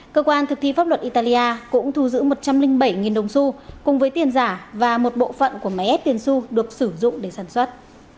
cơ quan thực thi pháp luật italia cũng thu giữ một trăm linh bảy đồng su cùng với tiền giả và một bộ phận của máy ép tiền su được sử dụng để sản xuất